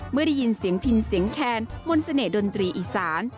เมื่อได้ยินเสียงพิมพ์เสียงแคนมนต์เสน่ห์ดนตรีอีสาน